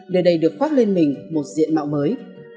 nơi đây được khoác lên mình một diện mạo mới